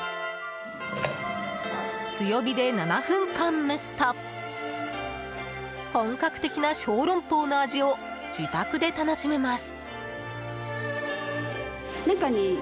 強火で７分間蒸すと、本格的な小籠包の味を自宅で楽しめます。